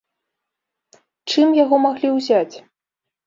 Чым яго маглі ўзяць?